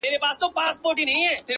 • خدایه معلوم یمه ـ منافقت نه کوم ـ